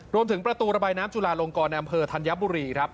ประตูระบายน้ำจุลาลงกรในอำเภอธัญบุรีครับ